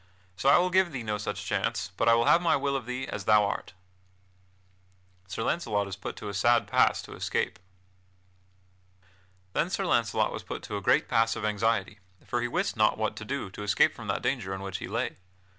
So I will give thee no such chance, but will have my will of thee as thou art." [Sidenote: Sir Launcelot is put to a sad pass to escape] Then Sir Launcelot was put to a great pass of anxiety, for he wist not what to do to escape from that danger in which he lay.